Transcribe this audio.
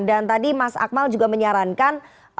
dan tadi mas akmal juga menyarankan